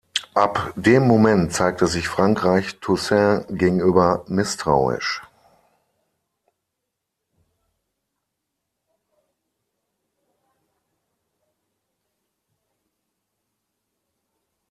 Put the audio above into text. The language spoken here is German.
Ab dem Moment zeigte sich Frankreich Toussaint gegenüber misstrauisch.